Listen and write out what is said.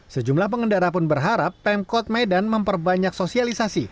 sejumlah pengendara pun berharap pemkot medan memperbanyak sosialisasi